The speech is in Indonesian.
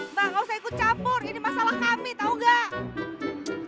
mbak gak usah ikut campur ini masalah kami tau gak